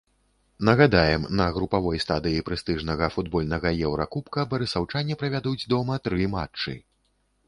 Нагадаем, на групавой стадыі прэстыжнага футбольнага еўракубка барысаўчане правядуць дома тры матчы.